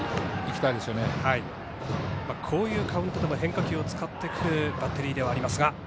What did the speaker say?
こういうカウントでも変化球を使ってくるバッテリーではありますが。